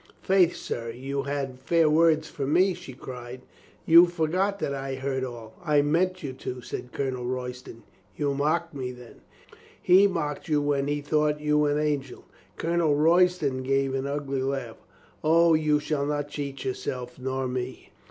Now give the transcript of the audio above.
"Faith, sir, you had fair words for me," she cried. "You forget that I heard all." "I meant you to," said Colonel Royston. "You mock me, then?" "He mocked you when he thought you an angel," Colonel Royston gave an ugly laugh. "O, you shall not cheat yourself nor me.